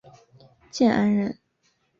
建安人。